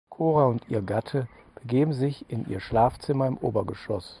Cora und ihr Gatte begeben sich in ihr Schlafzimmer im Obergeschoss.